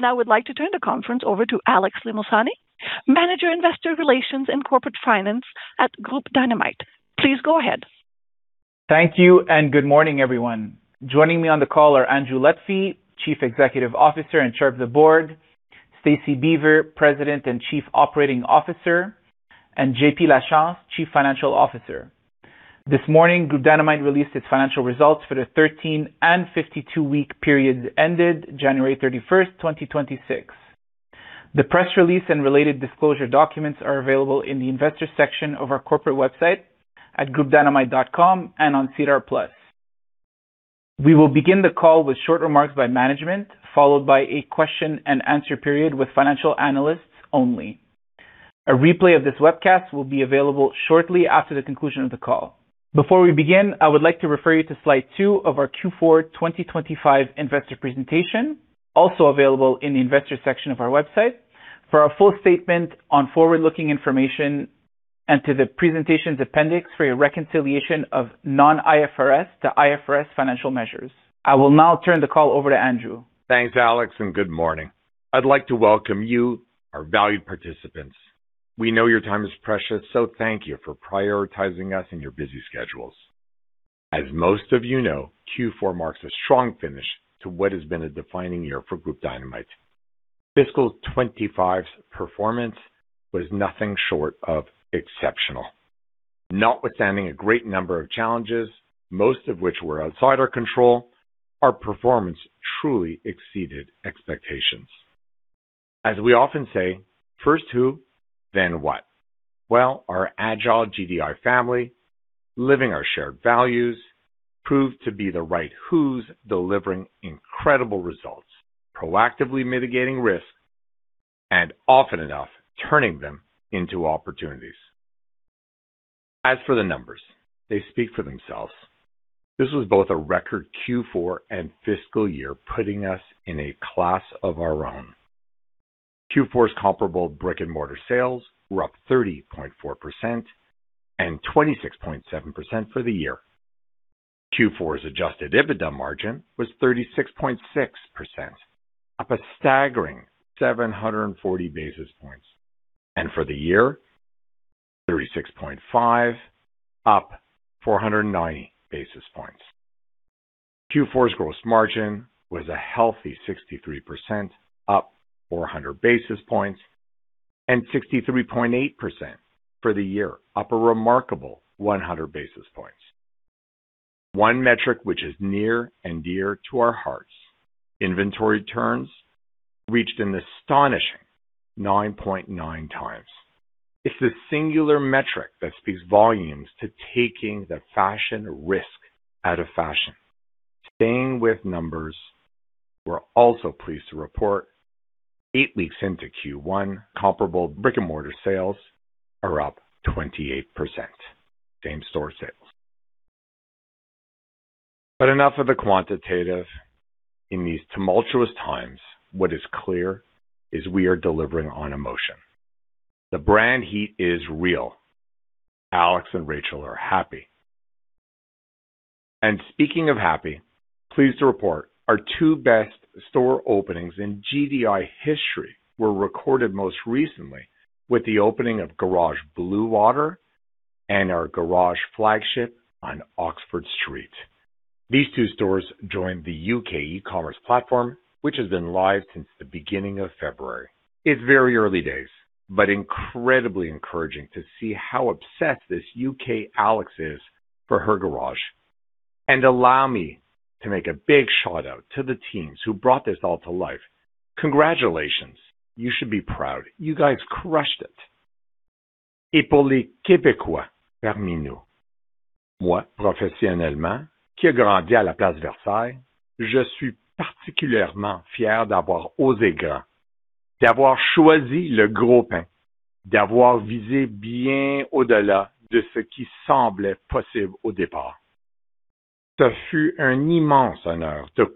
I would like to turn the conference over to Alex Limosani, Manager, Investor Relations and Corporate Finance at Groupe Dynamite. Please go ahead. Thank you and good morning, everyone. Joining me on the call are Andrew Lutfy, Chief Executive Officer and Chair of the Board, Stacie Beaver, President and Chief Operating Officer, and JP Lachance, Chief Financial Officer. This morning, Groupe Dynamite released its financial results for the 13- and 52-week period ended January 31, 2026. The press release and related disclosure documents are available in the Investors section of our corporate website at groupedynamite.com and on SEDAR+. We will begin the call with short remarks by management, followed by a question and answer period with financial analysts only. A replay of this webcast will be available shortly after the conclusion of the call. Before we begin, I would like to refer you to slide 2 of our Q4 2025 investor presentation, also available in the Investors section of our website. Refer to our full statement on forward-looking information and to the presentation's appendix for your reconciliation of non-IFRS to IFRS financial measures. I will now turn the call over to Andrew. Thanks, Alex, and good morning. I'd like to welcome you, our valued participants. We know your time is precious, so thank you for prioritizing us in your busy schedules. As most of you know, Q4 marks a strong finish to what has been a defining year for Groupe Dynamite. Fiscal 2025's performance was nothing short of exceptional. Notwithstanding a great number of challenges, most of which were outside our control, our performance truly exceeded expectations. As we often say, first who, then what? Well, our agile GDI family, living our shared values, proved to be the right who's delivering incredible results, proactively mitigating risk, and often enough turning them into opportunities. As for the numbers, they speak for themselves. This was both a record Q4 and fiscal year, putting us in a class of our own. Q4's comparable brick-and-mortar sales were up 30.4% and 26.7% for the year. Q4's adjusted EBITDA margin was 36.6%, up a staggering 740 basis points. For the year, 36.5, up 490 basis points. Q4's gross margin was a healthy 63%, up 400 basis points, and 63.8% for the year, up a remarkable 100 basis points. One metric which is near and dear to our hearts, inventory turns, reached an astonishing 9.9 times. It's the singular metric that speaks volumes to taking the fashion risk out of fashion. Staying with numbers, we're also pleased to report 8 weeks into Q1, comparable brick-and-mortar sales are up 28% same store sales. Enough of the quantitative. In these tumultuous times, what is clear is we are delivering on emotion. The brand heat is real. Alex and Rachel are happy. Speaking of happy, pleased to report our two best store openings in GDI history were recorded most recently with the opening of Garage Bluewater and our Garage flagship on Oxford Street. These two stores joined the U.K. e-commerce platform, which has been live since the beginning of February. It's very early days, but incredibly encouraging to see how obsessed this U.K. Alex is for her Garage. Allow me to make a big shout-out to the teams who brought this all to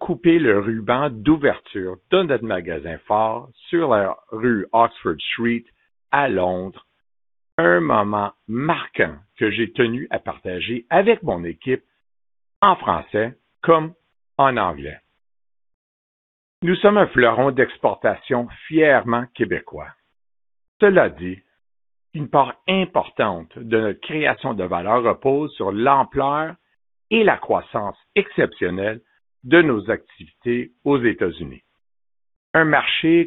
life. Congratulations.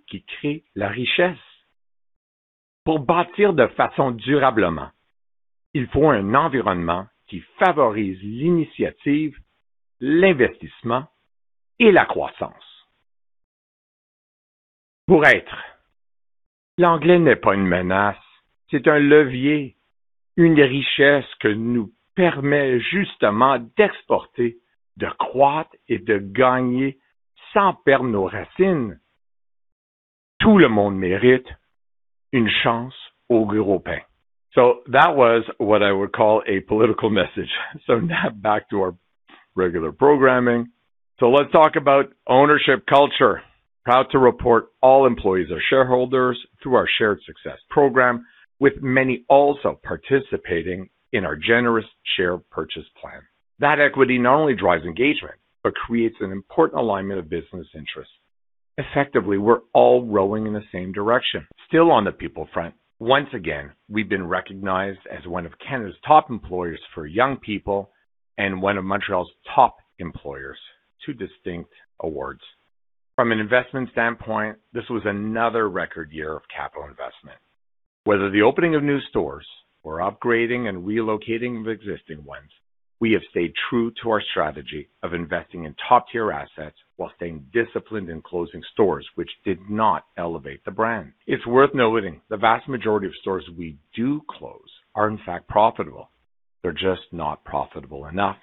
You should be proud. You guys crushed it. That was what I would call a political message. Now back to our regular programming. Let's talk about ownership culture. Proud to report all employees are shareholders through our shared success program, with many also participating in our generous share purchase plan. That equity not only drives engagement, but creates an important alignment of business interests. Effectively, we're all rowing in the same direction. Still on the people front, once again, we've been recognized as one of Canada's Top Employers for Young People and one of Montreal's Top Employers. Two distinct awards. From an investment standpoint, this was another record year of capital investment. Whether the opening of new stores or upgrading and relocating of existing ones, we have stayed true to our strategy of investing in top-tier assets while staying disciplined in closing stores which did not elevate the brand. It's worth noting the vast majority of stores we do close are in fact profitable. They're just not profitable enough,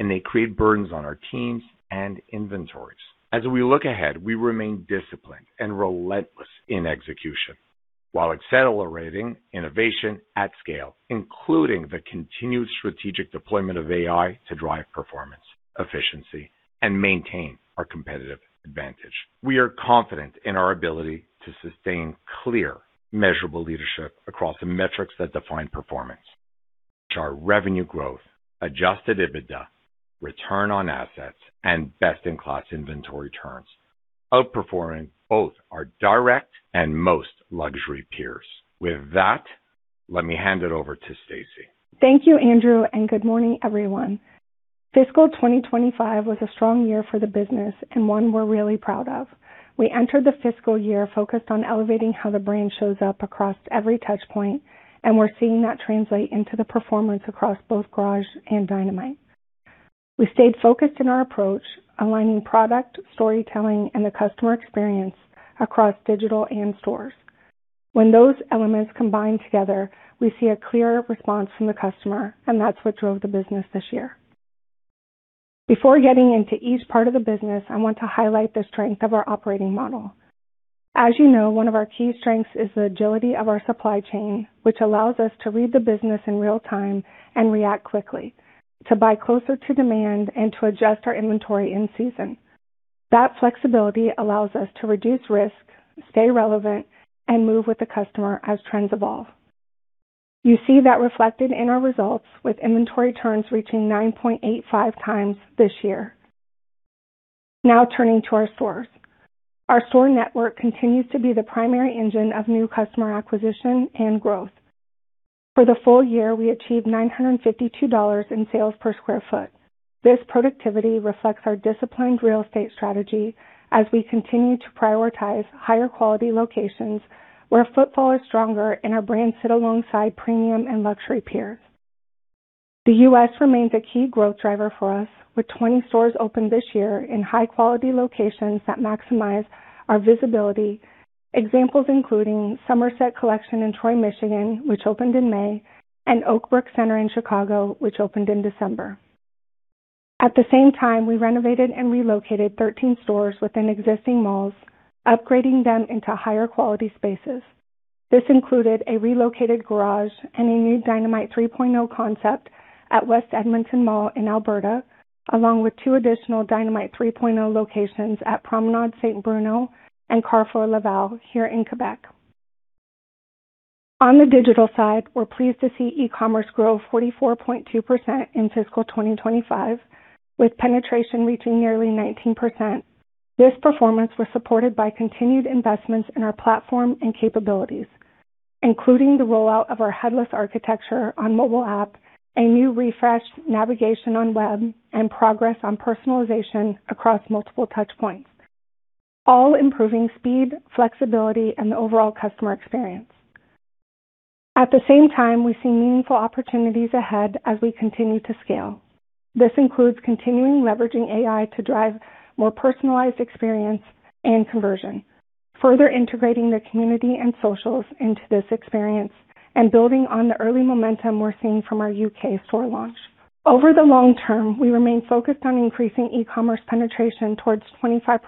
and they create burdens on our teams and inventories. As we look ahead, we remain disciplined and relentless in execution, while accelerating innovation at scale, including the continued strategic deployment of AI to drive performance, efficiency, and maintain our competitive advantage. We are confident in our ability to sustain clear, measurable leadership across the metrics that define performance, which are revenue growth, adjusted EBITDA, Return on Assets, and best-in-class inventory turns, outperforming both our direct and most luxury peers. With that, let me hand it over to Stacie. Thank you, Andrew, and good morning, everyone. Fiscal 2025 was a strong year for the business and one we're really proud of. We entered the fiscal year focused on elevating how the brand shows up across every touch point, and we're seeing that translate into the performance across both Garage and Dynamite. We stayed focused in our approach, aligning product, storytelling, and the customer experience across digital and stores. When those elements combine together, we see a clear response from the customer, and that's what drove the business this year. Before getting into each part of the business, I want to highlight the strength of our operating model. As you know, one of our key strengths is the agility of our supply chain, which allows us to read the business in real time and react quickly, to buy closer to demand and to adjust our inventory in season. That flexibility allows us to reduce risk, stay relevant, and move with the customer as trends evolve. You see that reflected in our results with inventory turns reaching 9.85x this year. Now turning to our stores. Our store network continues to be the primary engine of new customer acquisition and growth. For the full year, we achieved 952 dollars in sales per sq ft. This productivity reflects our disciplined real estate strategy as we continue to prioritize higher quality locations where footfall is stronger and our brands sit alongside premium and luxury peers. The U.S. remains a key growth driver for us with 20 stores open this year in high-quality locations that maximize our visibility. Examples including Somerset Collection in Troy, Michigan, which opened in May, and Oak Brook Center in Chicago, which opened in December. At the same time, we renovated and relocated 13 stores within existing malls, upgrading them into higher quality spaces. This included a relocated Garage and a new Dynamite 3.0 concept at West Edmonton Mall in Alberta, along with two additional Dynamite 3.0 locations at Promenade Saint-Bruno and Carrefour Laval here in Quebec. On the digital side, we're pleased to see e-commerce grow 44.2% in fiscal 2025, with penetration reaching nearly 19%. This performance was supported by continued investments in our platform and capabilities, including the rollout of our headless architecture on mobile app, a new refreshed navigation on web, and progress on personalization across multiple touch points, all improving speed, flexibility, and the overall customer experience. At the same time, we see meaningful opportunities ahead as we continue to scale. This includes continuing leveraging AI to drive more personalized experience and conversion, further integrating the community and socials into this experience, and building on the early momentum we're seeing from our U.K. store launch. Over the long term, we remain focused on increasing e-commerce penetration towards 25%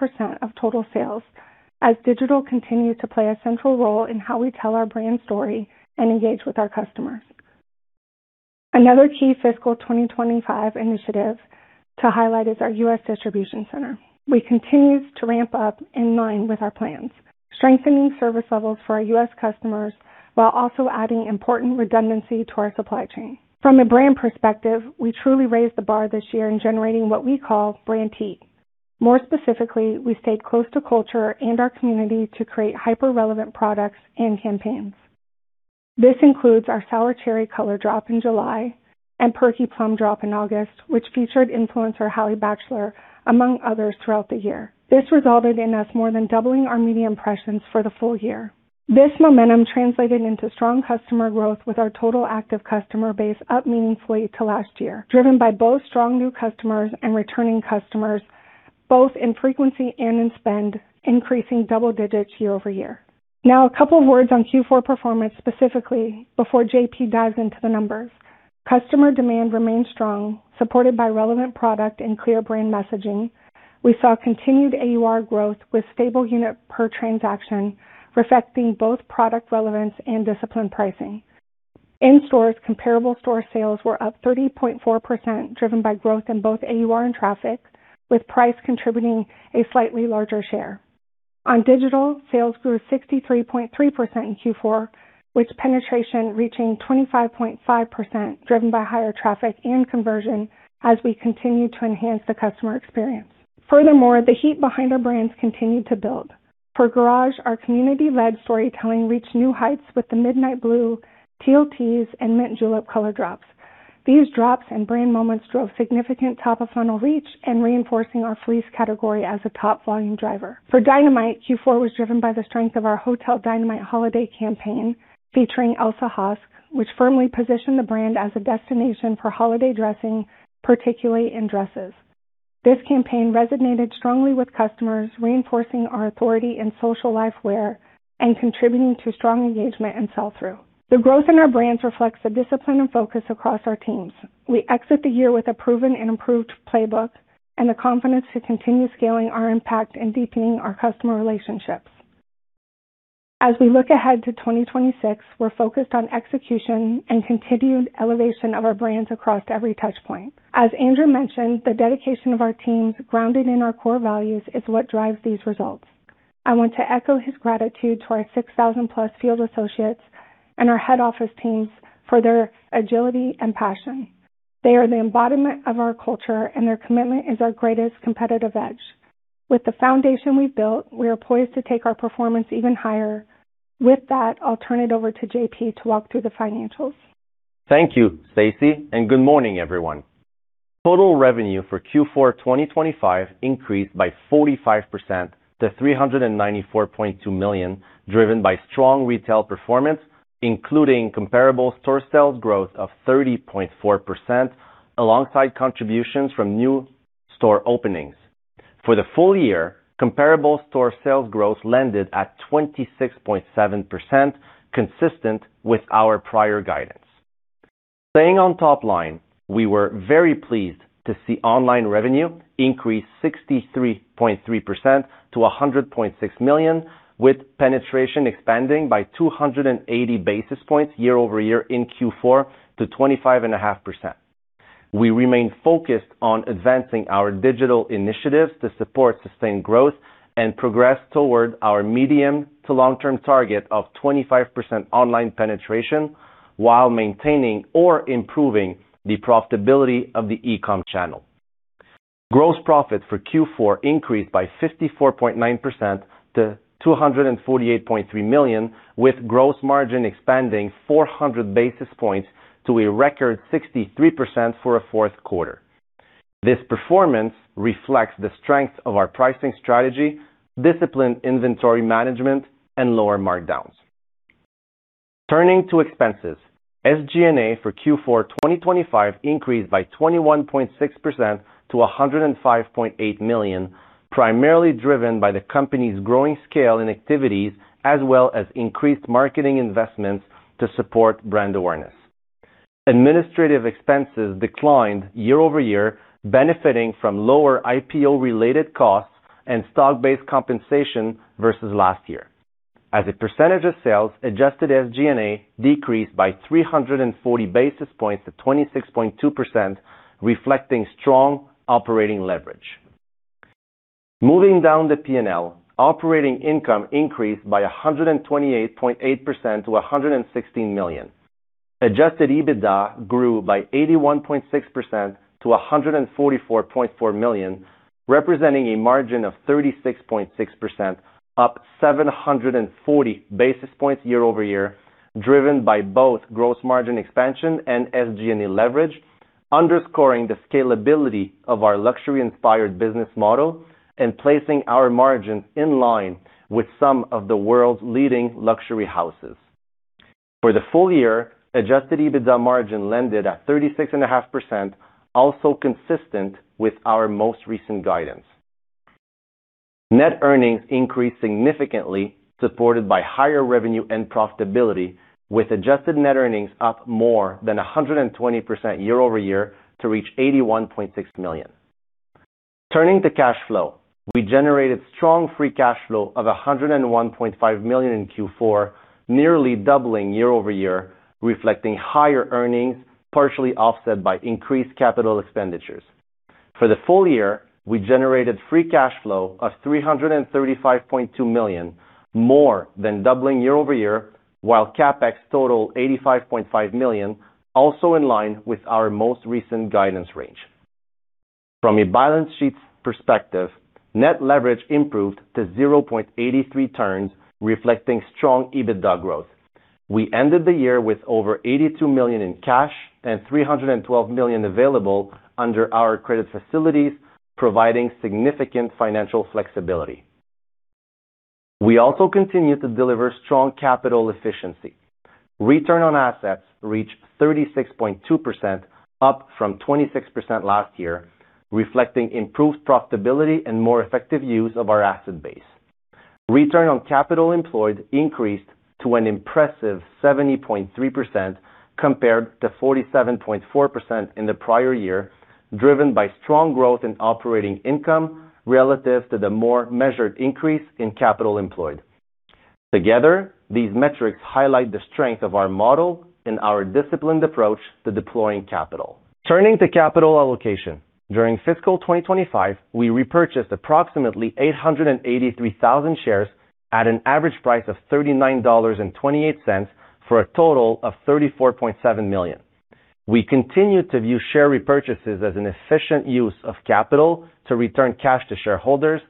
of total sales as digital continues to play a central role in how we tell our brand story and engage with our customers. Another key fiscal 2025 initiative to highlight is our U.S. distribution center. We continue to ramp up in line with our plans, strengthening service levels for our U.S. customers while also adding important redundancy to our supply chain. From a brand perspective, we truly raised the bar this year in generating what we call brand heat. More specifically, we stayed close to culture and our community to create hyper-relevant products and campaigns. This includes our Sour Cherry color drop in July and Perky Plum drop in August, which featured influencer Hallie Batchelder, among others throughout the year. This resulted in us more than doubling our media impressions for the full year. This momentum translated into strong customer growth with our total active customer base up meaningfully to last year, driven by both strong new customers and returning customers, both in frequency and in spend, increasing double digits year-over-year. Now, a couple of words on Q4 performance, specifically before JP dives into the numbers. Customer demand remained strong, supported by relevant product and clear brand messaging. We saw continued AUR growth with stable units per transaction, reflecting both product relevance and disciplined pricing. In stores, comparable store sales were up 30.4%, driven by growth in both AUR and traffic, with price contributing a slightly larger share. On digital, sales grew 63.3% in Q4, with penetration reaching 25.5%, driven by higher traffic and conversion as we continue to enhance the customer experience. Furthermore, the heat behind our brands continued to build. For Garage, our community-led storytelling reached new heights with the Midnight Blue, Teal Tease, and Mint Julep color drops. These drops and brand moments drove significant top-of-funnel reach and reinforcing our fleece category as a top volume driver. For Dynamite, Q4 was driven by the strength of our Hotel Dynamite holiday campaign featuring Elsa Hosk, which firmly positioned the brand as a destination for holiday dressing, particularly in dresses. This campaign resonated strongly with customers, reinforcing our authority in social life wear and contributing to strong engagement and sell-through. The growth in our brands reflects the discipline and focus across our teams. We exit the year with a proven and improved playbook and the confidence to continue scaling our impact and deepening our customer relationships. As we look ahead to 2026, we're focused on execution and continued elevation of our brands across every touch point. As Andrew mentioned, the dedication of our teams, grounded in our core values, is what drives these results. I want to echo his gratitude to our 6,000-plus field associates and our head office teams for their agility and passion. They are the embodiment of our culture, and their commitment is our greatest competitive edge. With the foundation we've built, we are poised to take our performance even higher. With that, I'll turn it over to JP to walk through the financials. Thank you, Stacie, and good morning, everyone. Total revenue for Q4 2025 increased by 45% to 394.2 million, driven by strong retail performance, including comparable store sales growth of 30.4% alongside contributions from new store openings. For the full year, comparable store sales growth landed at 26.7%, consistent with our prior guidance. Staying on top line, we were very pleased to see online revenue increase 63.3% to 100.6 million, with penetration expanding by 280 basis points year-over-year in Q4 to 25.5%. We remain focused on advancing our digital initiatives to support sustained growth and progress toward our medium to long-term target of 25% online penetration while maintaining or improving the profitability of the e-com channel. Gross profit for Q4 increased by 54.9% to 248.3 million, with gross margin expanding 400 basis points to a record 63% for a fourth quarter. This performance reflects the strength of our pricing strategy, disciplined inventory management, and lower markdowns. Turning to expenses. SG&A for Q4 2025 increased by 21.6% to 105.8 million, primarily driven by the company's growing scale and activities as well as increased marketing investments to support brand awareness. Administrative expenses declined year over year, benefiting from lower IPO-related costs and stock-based compensation versus last year. As a percentage of sales, adjusted SG&A decreased by 340 basis points to 26.2%, reflecting strong operating leverage. Moving down the P&L, operating income increased by 128.8% to 116 million. Adjusted EBITDA grew by 81.6% to 144.4 million, representing a margin of 36.6%, up 740 basis points year-over-year, driven by both gross margin expansion and SG&A leverage, underscoring the scalability of our luxury-inspired business model and placing our margins in line with some of the world's leading luxury houses. For the full year, adjusted EBITDA margin landed at 36.5%, also consistent with our most recent guidance. Net earnings increased significantly, supported by higher revenue and profitability, with adjusted net earnings up more than 120% year-over-year to reach 81.6 million. Turning to cash flow, we generated strong free cash flow of 101.5 million in Q4, nearly doubling year-over-year, reflecting higher earnings, partially offset by increased capital expenditures. For the full year, we generated free cash flow of 335.2 million, more than doubling year-over-year, while CapEx totaled 85.5 million, also in line with our most recent guidance range. From a balance sheet's perspective, net leverage improved to 0.83 turns, reflecting strong EBITDA growth. We ended the year with over 82 million in cash and 312 million available under our credit facilities, providing significant financial flexibility. We also continue to deliver strong capital efficiency. Return on assets reached 36.2%, up from 26% last year, reflecting improved profitability and more effective use of our asset base. Return on capital employed increased to an impressive 70.3% compared to 47.4% in the prior year, driven by strong growth in operating income relative to the more measured increase in capital employed. Together, these metrics highlight the strength of our model and our disciplined approach to deploying capital. Turning to capital allocation. During fiscal 2025, we repurchased approximately 883,000 shares at an average price of 39.28 dollars, for a total of 34.7 million. We continue to view share repurchases as an efficient use of capital to return cash to shareholders,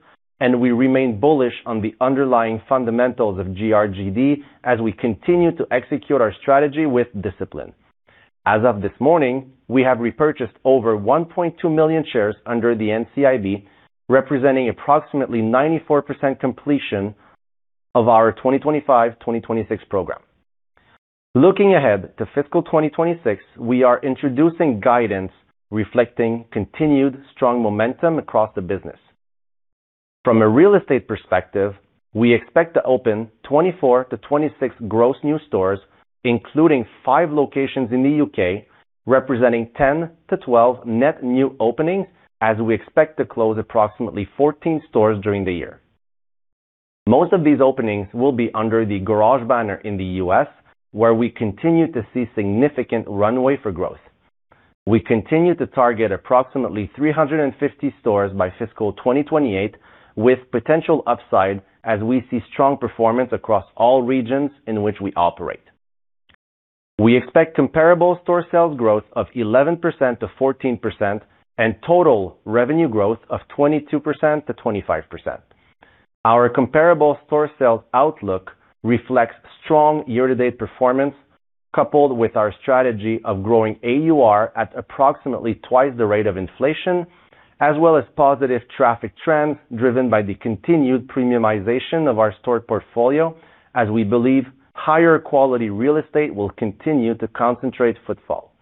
and we remain bullish on the underlying fundamentals of GRGD as we continue to execute our strategy with discipline. As of this morning, we have repurchased over 1.2 million shares under the NCIB, representing approximately 94% completion of our 2025/2026 program. Looking ahead to fiscal 2026, we are introducing guidance reflecting continued strong momentum across the business. From a real estate perspective, we expect to open 24-26 gross new stores, including five locations in the U.K., representing 10-12 net new openings as we expect to close approximately 14 stores during the year. Most of these openings will be under the Garage banner in the U.S., where we continue to see significant runway for growth. We continue to target approximately 350 stores by fiscal 2028, with potential upside as we see strong performance across all regions in which we operate. We expect comparable store sales growth of 11%-14% and total revenue growth of 22%-25%. Our comparable store sales outlook reflects strong year-to-date performance, coupled with our strategy of growing AUR at approximately twice the rate of inflation, as well as positive traffic trends driven by the continued premiumization of our store portfolio, as we believe higher quality real estate will continue to concentrate footfall.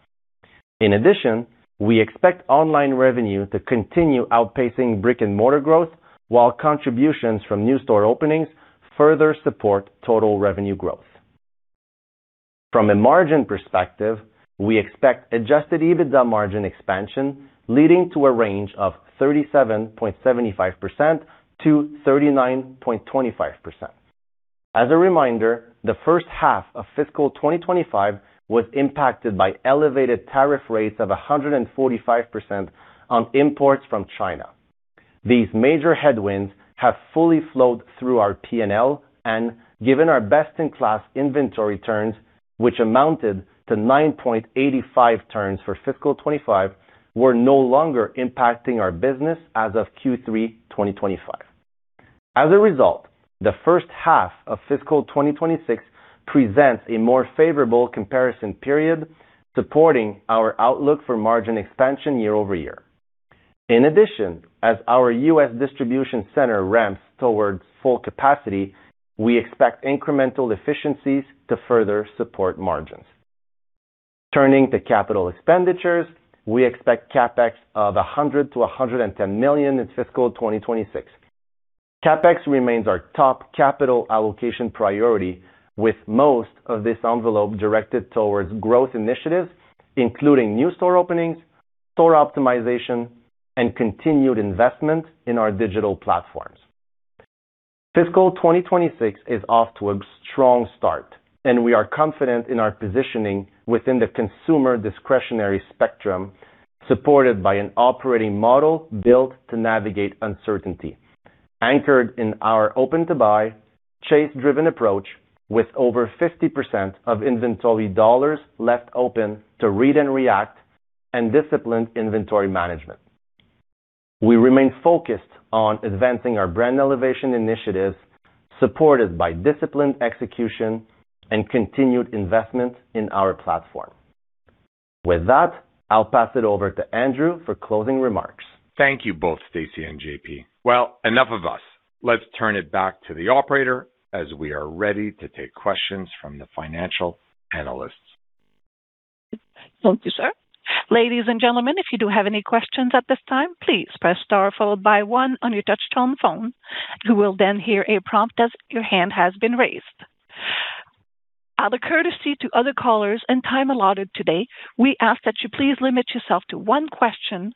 In addition, we expect online revenue to continue outpacing brick-and-mortar growth, while contributions from new store openings further support total revenue growth. From a margin perspective, we expect adjusted EBITDA margin expansion leading to a range of 37.75%-39.25%. As a reminder, the first half of fiscal 2025 was impacted by elevated tariff rates of 145% on imports from China. These major headwinds have fully flowed through our P&L and, given our best-in-class inventory turns, which amounted to 9.85 turns for fiscal 2025, were no longer impacting our business as of Q3 2025. As a result, the first half of fiscal 2026 presents a more favorable comparison period supporting our outlook for margin expansion year-over-year. In addition, as our U.S. distribution center ramps towards full capacity, we expect incremental efficiencies to further support margins. Turning to capital expenditures. We expect CapEx of 100 million-110 million in fiscal 2026. CapEx remains our top capital allocation priority, with most of this envelope directed towards growth initiatives, including new store openings, store optimization, and continued investment in our digital platforms. Fiscal 2026 is off to a strong start, and we are confident in our positioning within the consumer discretionary spectrum, supported by an operating model built to navigate uncertainty, anchored in our open-to-buy, chase-driven approach with over 50% of inventory dollars left open to read and react and disciplined inventory management. We remain focused on advancing our brand elevation initiatives, supported by disciplined execution and continued investment in our platform. With that, I'll pass it over to Andrew for closing remarks. Thank you both, Stacie and JP. Well, enough of us. Let's turn it back to the operator as we are ready to take questions from the financial analysts. Thank you, sir. Ladies and gentlemen, if you do have any questions at this time, please press star followed by one on your touchtone phone. You will then hear a prompt as your hand has been raised. Out of courtesy to other callers and time allotted today, we ask that you please limit yourself to one question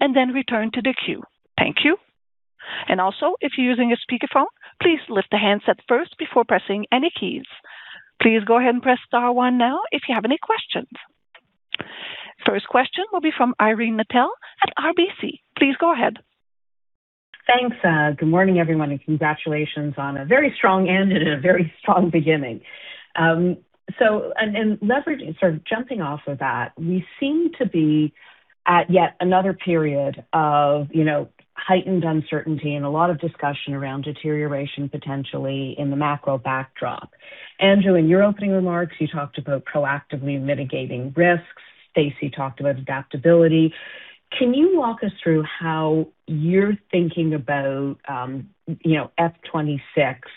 and then return to the queue. Thank you. Also, if you're using a speakerphone, please lift the handset first before pressing any keys. Please go ahead and press star one now if you have any questions. First question will be from Irene Nattel at RBC. Please go ahead. Thanks. Good morning, everyone. Congratulations on a very strong end and a very strong beginning. And leverage, sort of jumping off of that, we seem to be at yet another period of, you know, heightened uncertainty and a lot of discussion around deterioration, potentially in the macro backdrop. Andrew, in your opening remarks, you talked about proactively mitigating risks. Stacie talked about adaptability. Can you walk us through how you're thinking about, you know, FY 2026?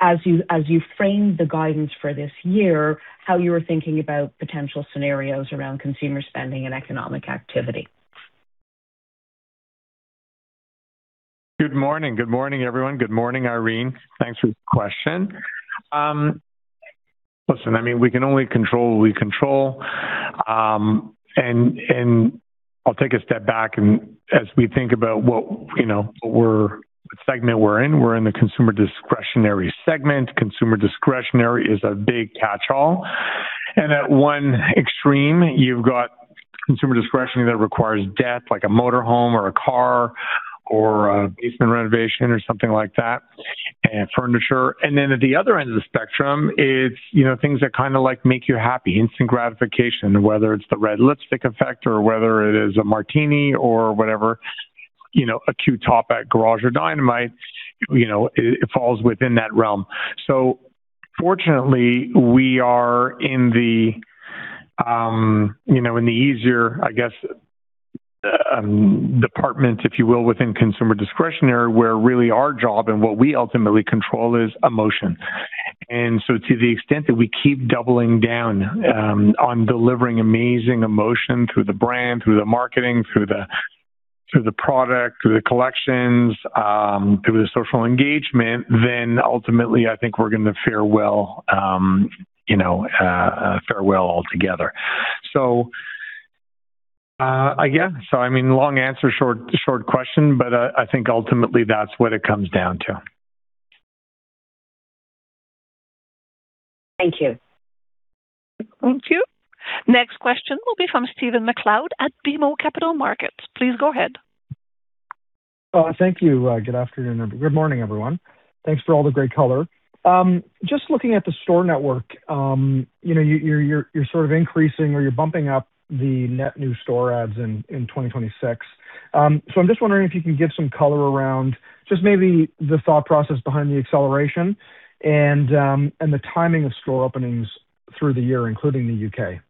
As you framed the guidance for this year, how you were thinking about potential scenarios around consumer spending and economic activity. Good morning. Good morning, everyone. Good morning, Irene. Thanks for the question. Listen, I mean, we can only control what we control. I'll take a step back and as we think about what segment we're in, we're in the consumer discretionary segment. Consumer discretionary is a big catch-all. At one extreme, you've got consumer discretionary that requires debt, like a motor home or a car or a basement renovation or something like that, and furniture. Then at the other end of the spectrum, it's things that kinda, like, make you happy, instant gratification, whether it's the red lipstick effect or whether it is a martini or whatever, a cute top at Garage or Dynamite, it falls within that realm. Fortunately, we are in the, you know, in the easier, I guess, department, if you will, within consumer discretionary, where really our job and what we ultimately control is emotion. To the extent that we keep doubling down on delivering amazing emotion through the brand, through the marketing, through the product, through the collections, through the social engagement, then ultimately I think we're gonna fare well, you know, altogether. I guess, I mean, long answer, short question, but I think ultimately that's what it comes down to. Thank you. Thank you. Next question will be from Stephen MacLeod at BMO Capital Markets. Please go ahead. Thank you. Good afternoon. Good morning, everyone. Thanks for all the great color. Just looking at the store network, you know, you're sort of increasing or you're bumping up the net new store adds in 2026. So I'm just wondering if you can give some color around just maybe the thought process behind the acceleration and the timing of store openings through the year, including the U.K.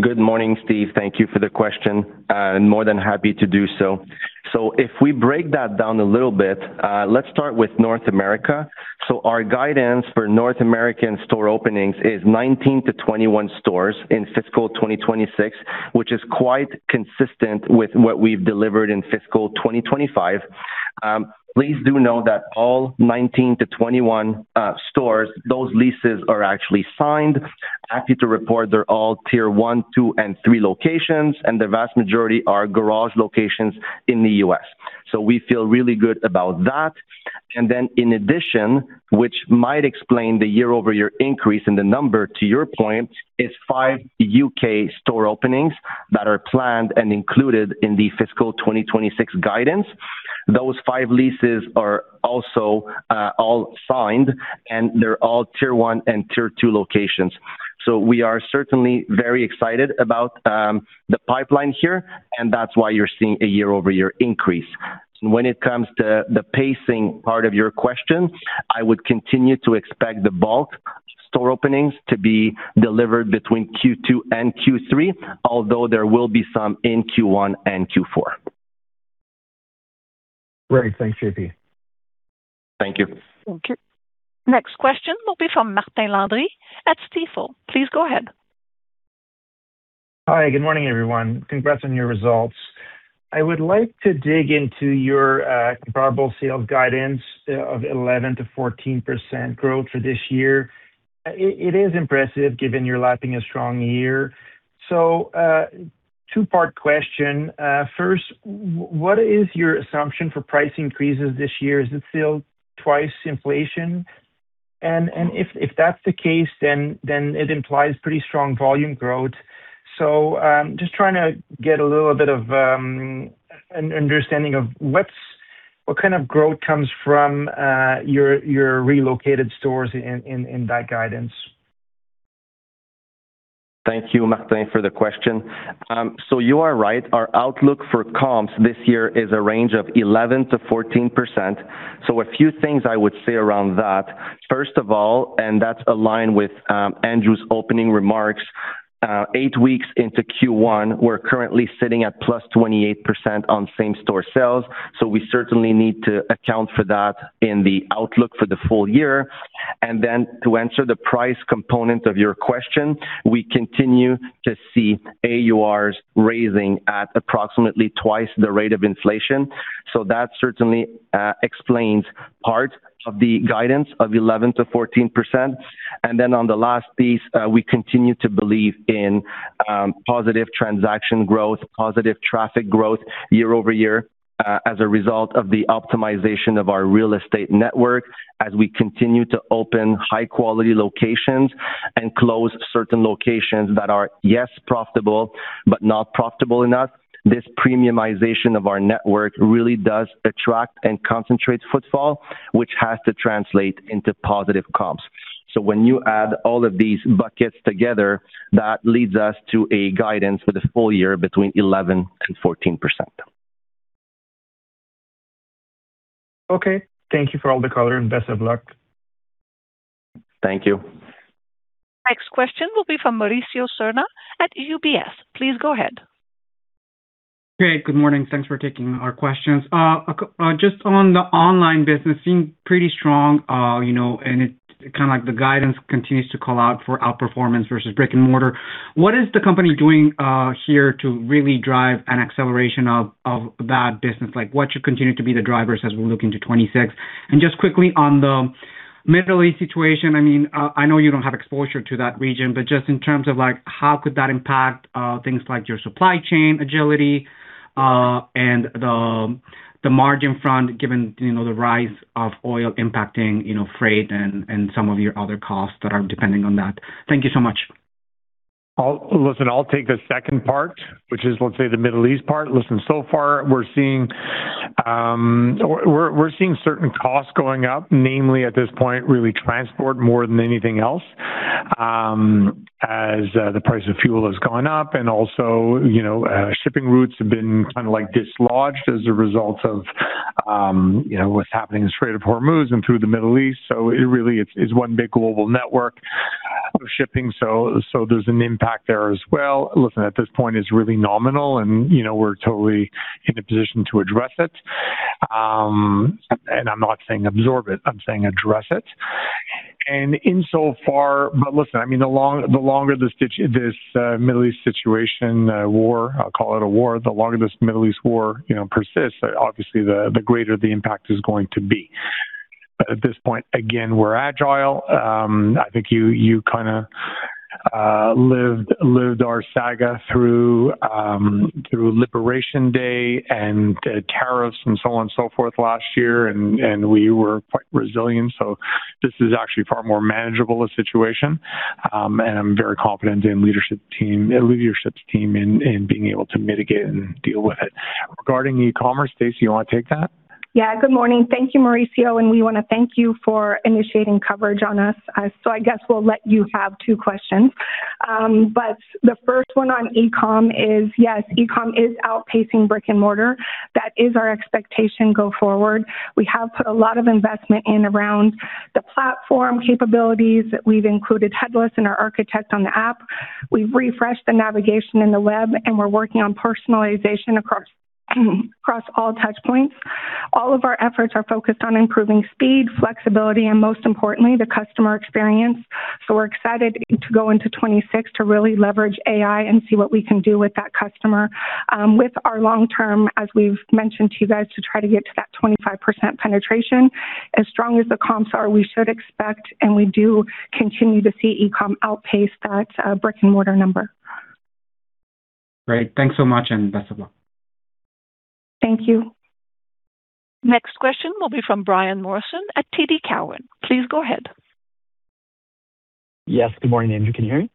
Good morning, Steve. Thank you for the question. More than happy to do so. If we break that down a little bit, let's start with North America. Our guidance for North American store openings is 19-21 stores in fiscal 2026, which is quite consistent with what we've delivered in fiscal 2025. Please do note that all 19-21 stores, those leases are actually signed. Happy to report they're all tier one, two, and three locations, and the vast majority are Garage locations in the U.S. We feel really good about that. In addition, which might explain the year-over-year increase in the number, to your point, is 5 U.K. store openings that are planned and included in the fiscal 2026 guidance. Those five leases are also all signed, and they're all tier one and tier two locations. We are certainly very excited about the pipeline here, and that's why you're seeing a year-over-year increase. When it comes to the pacing part of your question, I would continue to expect the bulk store openings to be delivered between Q2 and Q3, although there will be some in Q1 and Q4. Great. Thanks, JP. Thank you. Thank you. Next question will be from Martin Landry at Stifel. Please go ahead. Hi. Good morning, everyone. Congrats on your results. I would like to dig into your comparable sales guidance of 11%-14% growth for this year. It is impressive given you're lapping a strong year. Two-part question. First, what is your assumption for price increases this year? Is it still twice inflation? And if that's the case, then it implies pretty strong volume growth. Just trying to get a little bit of an understanding of what kind of growth comes from your relocated stores in that guidance. Thank you, Martin, for the question. You are right. Our outlook for comps this year is a range of 11%-14%. A few things I would say around that. First of all, that's aligned with Andrew's opening remarks. Eight weeks into Q1, we're currently sitting at +28% on same store sales. We certainly need to account for that in the outlook for the full year. To answer the price component of your question, we continue to see AURs rising at approximately twice the rate of inflation. That certainly explains part of the guidance of 11%-14%. On the last piece, we continue to believe in positive transaction growth, positive traffic growth year-over-year, as a result of the optimization of our real estate network as we continue to open high-quality locations and close certain locations that are, yes, profitable, but not profitable enough. This premiumization of our network really does attract and concentrate footfall, which has to translate into positive comps. When you add all of these buckets together, that leads us to a guidance for the full year between 11% and 14%. Okay. Thank you for all the color, and best of luck. Thank you. Next question will be from Mauricio Serna at UBS. Please go ahead. Great. Good morning. Thanks for taking our questions. Just on the online business, it seems pretty strong, you know, and kinda like the guidance continues to call out for outperformance versus brick-and-mortar. What is the company doing here to really drive an acceleration of that business? Like, what should continue to be the drivers as we look into 2026? Just quickly on the Middle East situation, I mean, I know you don't have exposure to that region, but just in terms of, like, how could that impact things like your supply chain agility and the margin front given, you know, the rise of oil impacting, you know, freight and some of your other costs that are depending on that. Thank you so much. Listen, I'll take the second part, which is, let's say, the Middle East part. Listen, so far we're seeing certain costs going up, namely at this point, really transport more than anything else, as the price of fuel has gone up and also, you know, shipping routes have been kinda, like, dislodged as a result of, you know, what's happening in Strait of Hormuz and through the Middle East. It really is one big global network of shipping. There's an impact there as well. Listen, at this point it's really nominal and, you know, we're totally in a position to address it. I'm not saying absorb it, I'm saying address it. Listen, I mean, the longer this Middle East situation, war, I'll call it a war. The longer this Middle East war persists, obviously the greater the impact is going to be. But at this point, again, we're agile. I think you kinda lived our saga through Liberation Day and tariffs and so on and so forth last year, and we were quite resilient. So this is actually far more manageable a situation. I'm very confident in leadership's team in being able to mitigate and deal with it. Regarding e-commerce, Stacie, you wanna take that? Yeah, good morning. Thank you, Mauricio, and we wanna thank you for initiating coverage on us. I guess we'll let you have 2 questions. The first one on e-com is, yes, e-com is outpacing brick-and-mortar. That is our expectation go forward. We have put a lot of investment in around the platform capabilities. We've included headless in our architecture on the app. We've refreshed the navigation on the web, and we're working on personalization across all touch points. All of our efforts are focused on improving speed, flexibility, and most importantly, the customer experience. We're excited to go into 2026 to really leverage AI and see what we can do with that customer, with our long term, as we've mentioned to you guys, to try to get to that 25% penetration. As strong as the comps are, we should expect and we do continue to see e-com outpace that, brick-and-mortar number. Great. Thanks so much and best of luck. Thank you. Next question will be from Brian Morrison at TD Cowen. Please go ahead. Yes. Good morning, Andrew. Can you hear me?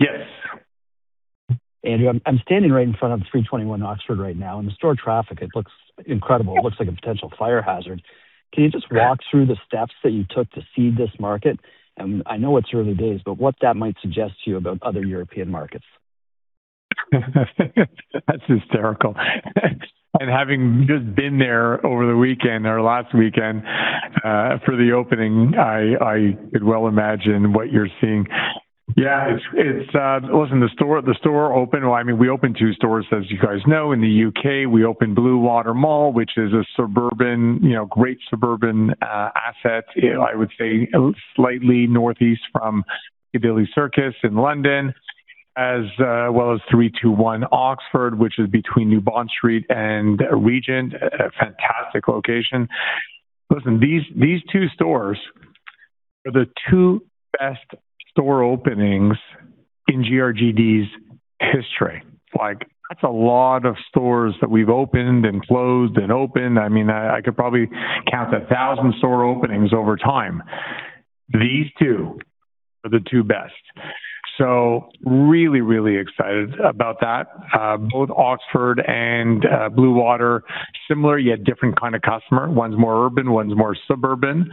Yes. Andrew, I'm standing right in front of the 321 Oxford right now. The store traffic, it looks incredible. It looks like a potential fire hazard. Yeah. Can you just walk through the steps that you took to seed this market? I know it's early days, but what that might suggest to you about other European markets? That's hysterical. Having just been there over the weekend or last weekend for the opening, I could well imagine what you're seeing. Yeah. It's. Listen, the store opened. Well, I mean, we opened two stores, as you guys know. In the U.K., we opened Bluewater, which is a suburban, you know, great suburban asset. I would say slightly northeast from Piccadilly Circus in London, as well as 321 Oxford, which is between New Bond Street and Regent. A fantastic location. Listen, these two stores are the two best store openings in GRGD's history. Like, that's a lot of stores that we've opened and closed and opened. I mean, I could probably count 1,000 store openings over time. These two are the two best. Really excited about that. Both Oxford and Bluewater, similar yet different kind of customer. One's more urban, one's more suburban.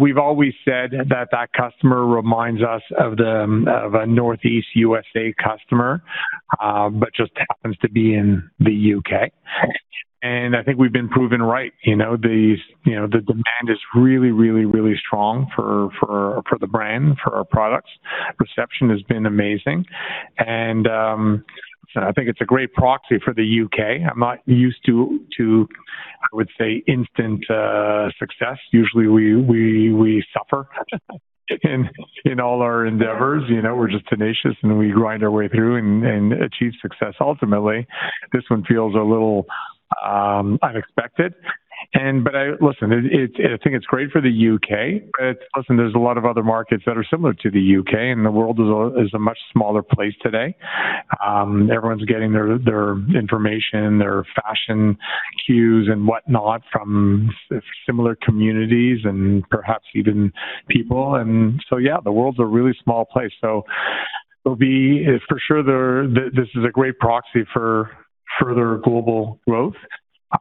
We've always said that customer reminds us of a Northeast U.S. customer, but just happens to be in the U.K. I think we've been proven right. You know, the demand is really strong for the brand, for our products. Reception has been amazing. I think it's a great proxy for the U.K. I'm not used to, I would say, instant success. Usually, we suffer in all our endeavors. You know, we're just tenacious, and we grind our way through and achieve success ultimately. This one feels a little unexpected. Listen, I think it's great for the U.K. Listen, there's a lot of other markets that are similar to the U.K., and the world is a much smaller place today. Everyone's getting their information, their fashion cues and whatnot from similar communities and perhaps even people. Yeah, the world's a really small place. It'll be. For sure, this is a great proxy for further global growth.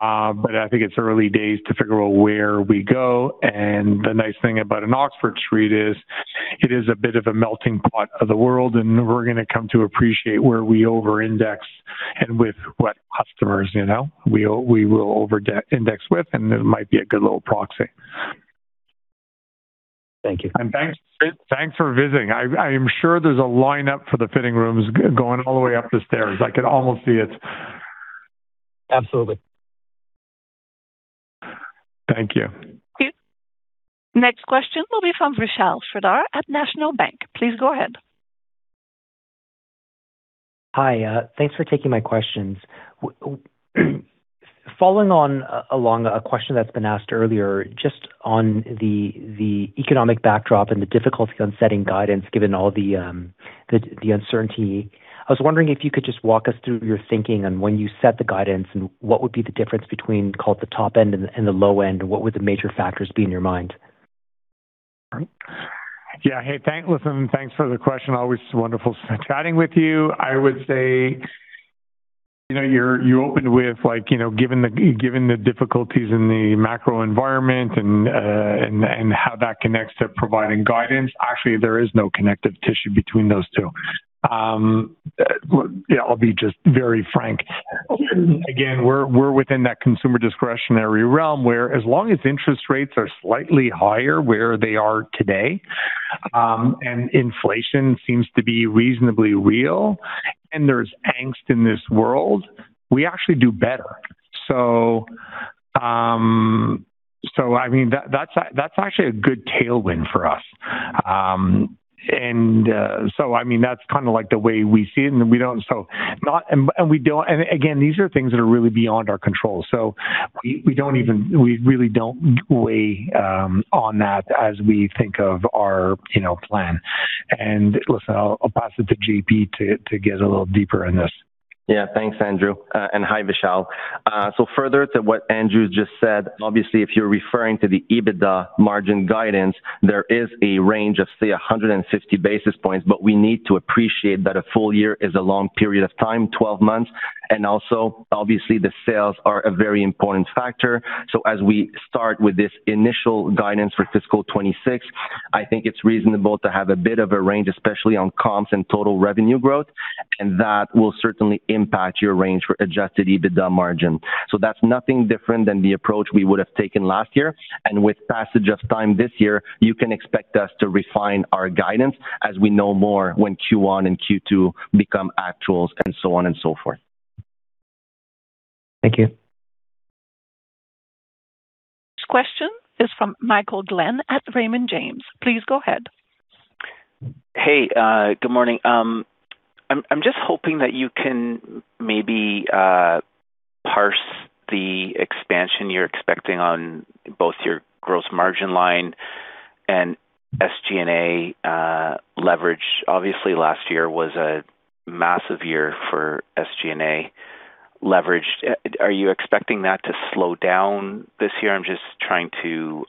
I think it's early days to figure out where we go. The nice thing about an Oxford Street is. It is a bit of a melting pot of the world, and we're gonna come to appreciate where we over-index and with what customers, you know, we will over-de-index with, and it might be a good little proxy. Thank you. Thanks for visiting. I am sure there's a lineup for the fitting rooms going all the way up the stairs. I can almost see it. Absolutely. Thank you. Thank you. Next question will be from Vishal Shreedhar at National Bank. Please go ahead. Hi. Thanks for taking my questions. Following on a question that's been asked earlier, just on the economic backdrop and the difficulty on setting guidance, given all the uncertainty, I was wondering if you could just walk us through your thinking on when you set the guidance and what would be the difference between, call it, the top end and the low end. What would the major factors be in your mind? Yeah. Hey, listen, thanks for the question. Always wonderful chatting with you. I would say, you know, you opened with, like, you know, given the difficulties in the macro environment and how that connects to providing guidance. Actually, there is no connective tissue between those two. Well, yeah, I'll be just very frank. Again, we're within that consumer discretionary realm where as long as interest rates are slightly higher where they are today, and inflation seems to be reasonably real and there's angst in this world, we actually do better. I mean, that's actually a good tailwind for us. I mean, that's kinda like the way we see it, and we don't. Again, these are things that are really beyond our control. We don't even weigh on that as we think of our, you know, plan. Listen, I'll pass it to JP to get a little deeper in this. Yeah. Thanks, Andrew, and hi, Vishal. Further to what Andrew just said, obviously, if you're referring to the EBITDA margin guidance, there is a range of, say, 150 basis points, but we need to appreciate that a full year is a long period of time, 12 months. Also, obviously, the sales are a very important factor. As we start with this initial guidance for fiscal 2026, I think it's reasonable to have a bit of a range, especially on comps and total revenue growth, and that will certainly impact your range for adjusted EBITDA margin. That's nothing different than the approach we would have taken last year. With passage of time this year, you can expect us to refine our guidance as we know more when Q1 and Q2 become actuals and so on and so forth. Thank you. Question is from Michael Glen at Raymond James. Please go ahead. Hey, good morning. I'm just hoping that you can maybe parse the expansion you're expecting on both your Gross Margin line and SG&A leverage. Obviously, last year was a massive year for SG&A leverage. Are you expecting that to slow down this year? I'm just trying to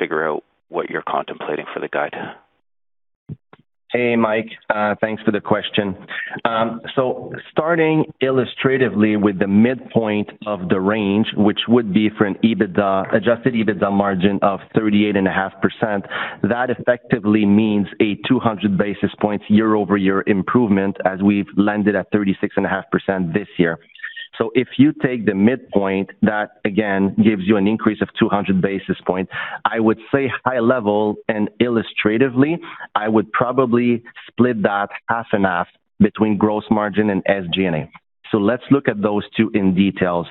figure out what you're contemplating for the guide. Hey, Mike, thanks for the question. Starting illustratively with the midpoint of the range, which would be for an adjusted EBITDA margin of 38.5%, that effectively means a 200 basis points year-over-year improvement as we've landed at 36.5% this year. If you take the midpoint, that again gives you an increase of 200 basis points. I would say high level and illustratively, I would probably split that half and half between gross margin and SG&A. Let's look at those two in detail.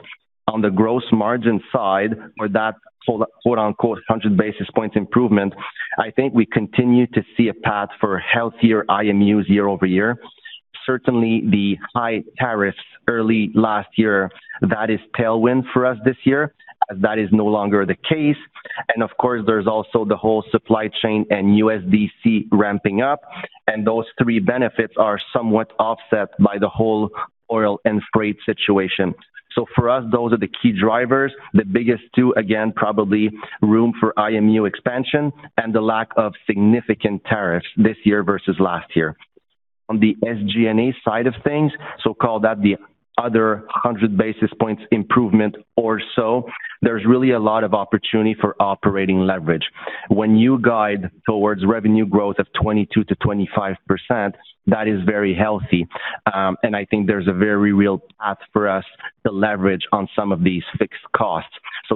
On the gross margin side, or that quote-unquote 100 basis points improvement, I think we continue to see a path for healthier IMUs year-over-year. Certainly, the high tariffs early last year, that is tailwind for us this year as that is no longer the case. Of course, there's also the whole supply chain and USDC ramping up, and those three benefits are somewhat offset by the whole oil and freight situation. For us, those are the key drivers. The biggest two, again, probably room for IMU expansion and the lack of significant tariffs this year versus last year. On the SG&A side of things, call that the other 100 basis points improvement or so, there's really a lot of opportunity for operating leverage. When you guide towards revenue growth of 22%-25%, that is very healthy. I think there's a very real path for us to leverage on some of these fixed costs.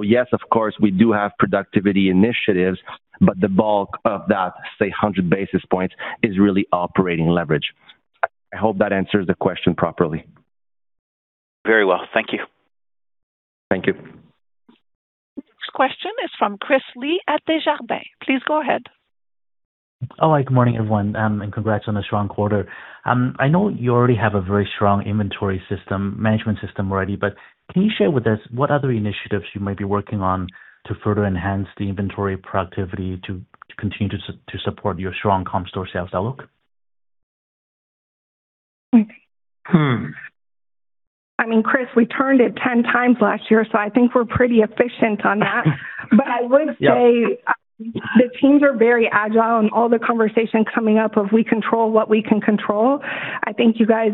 Yes, of course, we do have productivity initiatives, but the bulk of that, say, 100 basis points is really operating leverage. I hope that answers the question properly. Very well. Thank you. Thank you. Next question is from Chris Li at Desjardins. Please go ahead. Oh, hi. Good morning, everyone, and congrats on a strong quarter. I know you already have a very strong inventory management system already, but can you share with us what other initiatives you might be working on to further enhance the inventory productivity to continue to support your strong comp store sales outlook? Hmm. Hmm. I mean, Chris, we turned it 10 times last year, so I think we're pretty efficient on that. I would say. Yeah. The teams are very agile, and all the conversation coming up of we control what we can control. I think you guys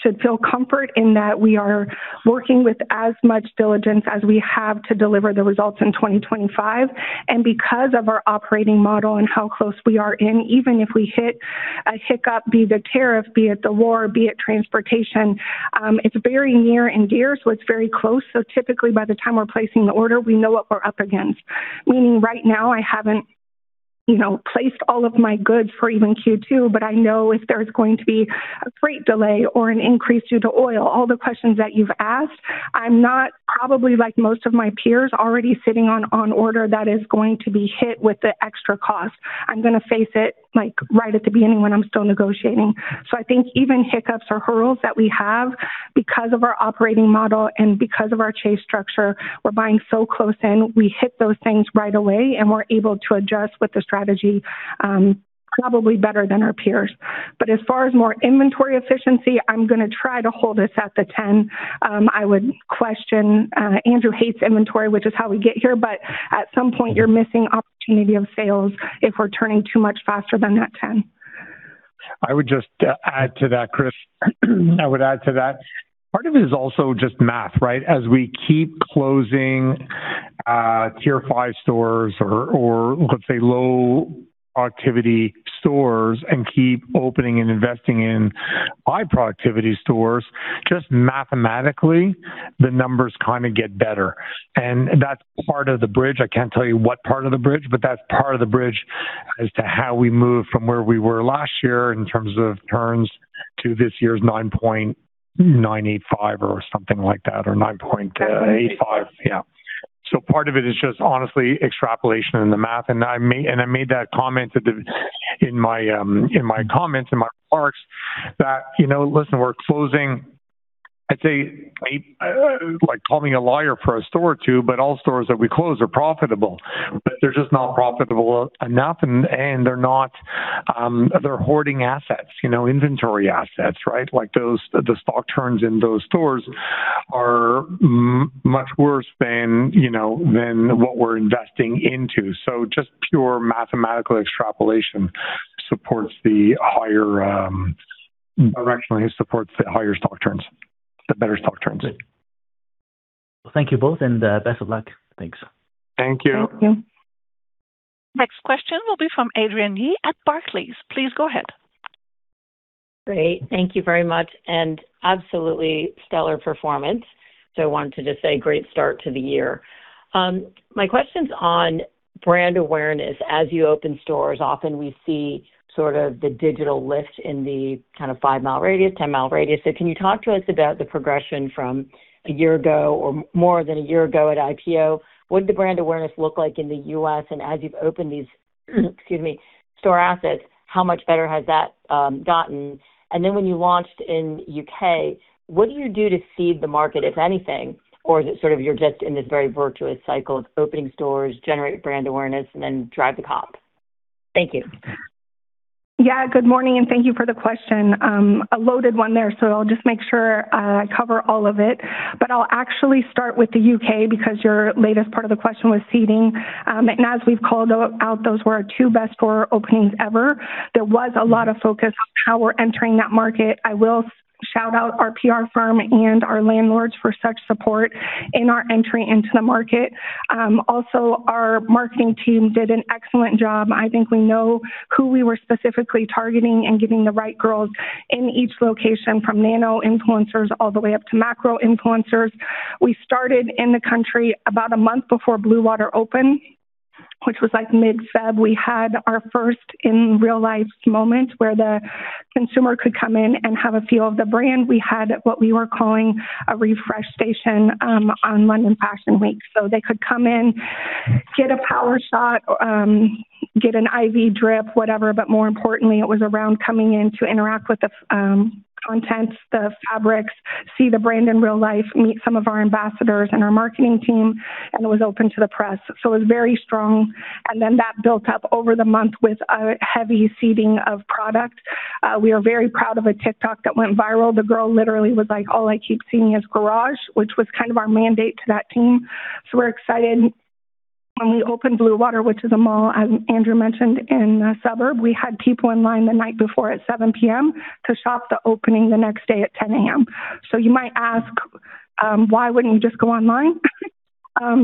should feel comfort in that we are working with as much diligence as we have to deliver the results in 2025. Because of our operating model and how close we are in, even if we hit a hiccup, be it the tariff, be it the war, be it transportation, it's very near and dear, so it's very close. Typically by the time we're placing the order, we know what we're up against. Meaning right now, I haven't, you know, placed all of my goods for even Q2, but I know if there's going to be a freight delay or an increase due to oil, all the questions that you've asked, I'm not probably like most of my peers already sitting on order that is going to be hit with the extra cost. I'm gonna face it, like, right at the beginning when I'm still negotiating. I think even hiccups or hurdles that we have because of our operating model and because of our chase structure, we're buying so close in, we hit those things right away, and we're able to adjust with the strategy, probably better than our peers. As far as more inventory efficiency, I'm gonna try to hold us at the 10. I would question. Andrew hates inventory, which is how we get here, but at some point you're missing opportunity of sales if we're turning too much faster than that 10. I would just add to that, Chris. Part of it is also just math, right? As we keep closing tier five stores or let's say low activity stores and keep opening and investing in high productivity stores, just mathematically, the numbers kinda get better. That's part of the bridge. I can't tell you what part of the bridge, but that's part of the bridge as to how we move from where we were last year in terms of turns to this year's 9.985 or something like that, or 9.85. Part of it is just honestly extrapolation in the math. I made that comment in my comments, in my remarks that, you know, listen, we're closing, I'd say, 8, like call me a liar for a store or 2, but all stores that we close are profitable. They're just not profitable enough and they're hoarding assets, you know, inventory assets, right? Like those stock turns in those stores are much worse than, you know, than what we're investing into. Just pure mathematical extrapolation supports the higher, directionally supports the higher stock turns, the better stock turns. Thank you both, and, best of luck. Thanks. Thank you. Thank you. Next question will be from Adrienne Yih at Barclays. Please go ahead. Great. Thank you very much, and absolutely stellar performance. I wanted to just say great start to the year. My question's on brand awareness. As you open stores, often we see sort of the digital lift in the kind of five-mile radius, ten-mile radius. Can you talk to us about the progression from a year ago or more than a year ago at IPO? What did the brand awareness look like in the U.S.? And as you've opened these, excuse me, store assets, how much better has that gotten? And then when you launched in U.K., what do you do to seed the market, if anything? Or is it sort of you're just in this very virtuous cycle of opening stores, generate brand awareness, and then drive the comp? Thank you. Yeah, good morning, and thank you for the question. A loaded one there, I'll just make sure I cover all of it. I'll actually start with the U.K. because your latest part of the question was seeing. As we've called out, those were our two best store openings ever. There was a lot of focus on how we're entering that market. I will shout out our PR firm and our landlords for such support in our entry into the market. Also our marketing team did an excellent job. I think we know who we were specifically targeting and getting the right girls in each location from nano influencers all the way up to macro influencers. We started in the country about a month before Bluewater opened, which was like mid-February. We had our first in real life moment where the consumer could come in and have a feel of the brand. We had what we were calling a refresh station, on London Fashion Week, so they could come in, get a power shot, get an IV drip, whatever, but more importantly, it was around coming in to interact with the content, the fabrics, see the brand in real life, meet some of our ambassadors and our marketing team, and it was open to the press. It was very strong, and then that built up over the month with a heavy seeding of product. We are very proud of a TikTok that went viral. The girl literally was like, "All I keep seeing is Garage," which was kind of our mandate to that team. We're excited. When we opened Bluewater, which is a mall, as Andrew mentioned, in a suburb, we had people in line the night before at 7 P.M. to shop the opening the next day at 10 A.M. You might ask, "Why wouldn't you just go online?"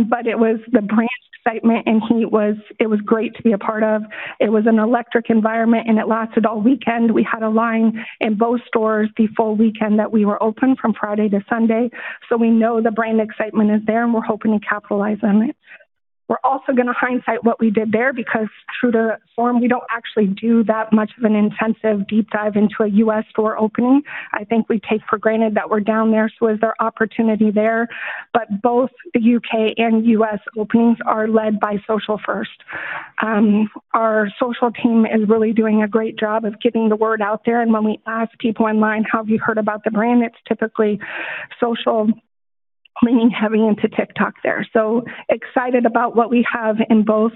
but it was the brand excitement and heat was. It was great to be a part of. It was an electric environment, and it lasted all weekend. We had a line in both stores the full weekend that we were open from Friday to Sunday. We know the brand excitement is there, and we're hoping to capitalize on it. We're also gonna hindsight what we did there because true to form, we don't actually do that much of an intensive deep dive into a U.S. store opening. I think we take for granted that we're down there, so is there opportunity there? Both the U.K. and U.S. openings are led by social first. Our social team is really doing a great job of getting the word out there, and when we ask people online, "How have you heard about the brand?" It's typically social leaning heavy into TikTok there. Excited about what we have in both,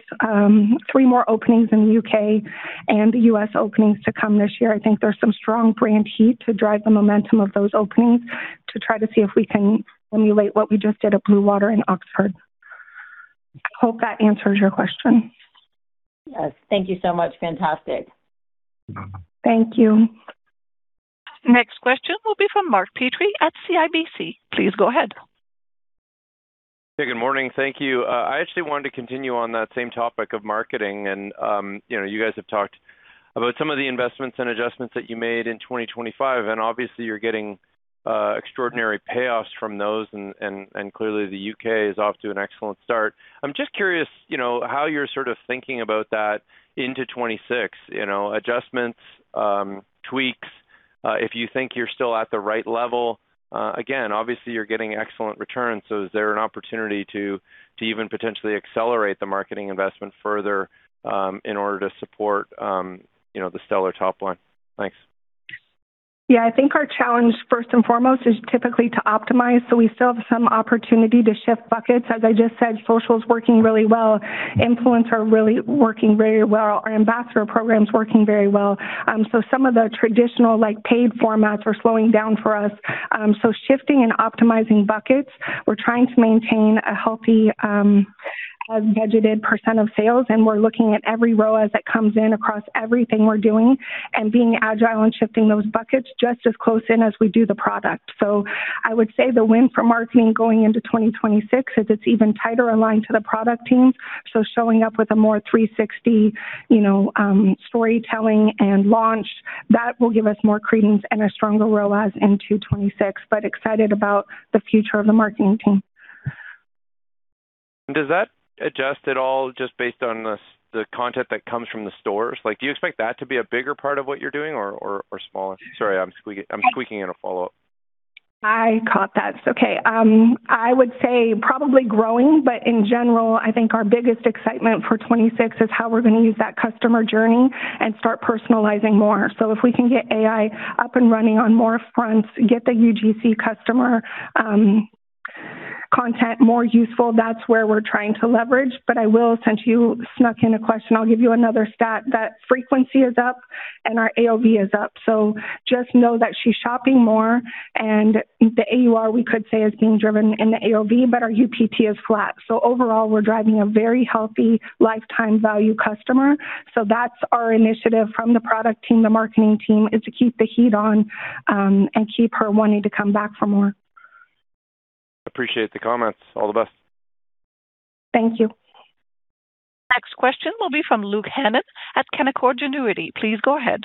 three more openings in the U.K. and the U.S. openings to come this year. I think there's some strong brand heat to drive the momentum of those openings to try to see if we can emulate what we just did at Bluewater in Oxford. I hope that answers your question. Yes. Thank you so much. Fantastic. Thank you. Next question will be from Mark Petrie at CIBC. Please go ahead. Hey, good morning. Thank you. I actually wanted to continue on that same topic of marketing. You know, you guys have talked about some of the investments and adjustments that you made in 2025, and obviously you're getting extraordinary payoffs from those, and clearly the U.K. is off to an excellent start. I'm just curious, you know, how you're sort of thinking about that into 2026, you know, adjustments, tweaks, if you think you're still at the right level. Again, obviously you're getting excellent returns, so is there an opportunity to even potentially accelerate the marketing investment further, in order to support, you know, the stellar top line? Thanks. Yeah. I think our challenge first and foremost is typically to optimize, so we still have some opportunity to shift buckets. As I just said, social is working really well. Influencer really working very well. Our ambassador program's working very well. Some of the traditional, like, paid formats are slowing down for us. Shifting and optimizing buckets. We're trying to maintain a healthy, as budgeted percent of sales, and we're looking at every ROAS that comes in across everything we're doing and being agile and shifting those buckets just as close in as we do the product. I would say the win for marketing going into 2026 is it's even tighter aligned to the product team, so showing up with a more 360, you know, storytelling and launch, that will give us more credence and a stronger ROAS into 2026, but excited about the future of the marketing team. Does that adjust at all just based on the content that comes from the stores? Like, do you expect that to be a bigger part of what you're doing or smaller? Sorry, I'm squeaking in a follow-up. I caught that. It's okay. I would say probably growing, but in general, I think our biggest excitement for 2026 is how we're gonna use that customer journey and start personalizing more. If we can get AI up and running on more fronts, get the UGC customer content more useful, that's where we're trying to leverage. I will, since you snuck in a question, I'll give you another stat. That frequency is up and our AOV is up. Just know that she's shopping more and the AUR we could say is being driven in the AOV, but our UPT is flat. Overall, we're driving a very healthy lifetime value customer. That's our initiative from the product team, the marketing team, is to keep the heat on, and keep her wanting to come back for more. Appreciate the comments. All the best. Thank you. Next question will be from Luke Hannan at Canaccord Genuity. Please go ahead.